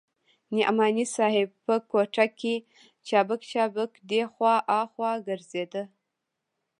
نعماني صاحب په کوټه کښې چابک چابک دې خوا ها خوا ګرځېده.